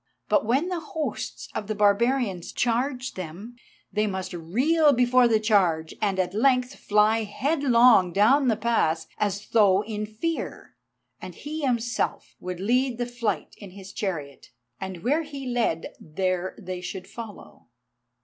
But when the hosts of the barbarians charged them, they must reel before the charge, and at length fly headlong down the pass as though in fear. And he himself would lead the flight in his chariot, and where he led there they should follow.